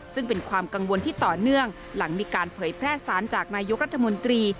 ซึ่งเป็นความกังวลที่ต่อเนื่องหลังมีการเผยแพร่สารจากนายกรัฐมนตรี